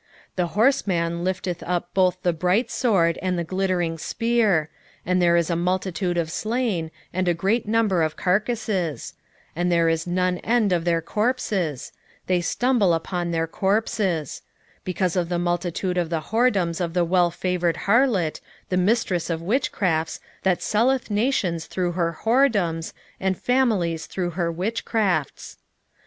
3:3 The horseman lifteth up both the bright sword and the glittering spear: and there is a multitude of slain, and a great number of carcases; and there is none end of their corpses; they stumble upon their corpses: 3:4 Because of the multitude of the whoredoms of the wellfavoured harlot, the mistress of witchcrafts, that selleth nations through her whoredoms, and families through her witchcrafts.